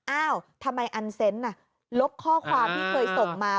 อ้าวทำไมอันเซนต์ลบข้อความที่เคยส่งมา